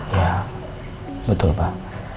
ya betul pak